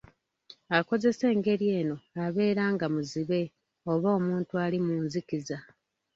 Akozesa engeri eno abeera nga muzibe, oba omuntu ali mu nzikiza.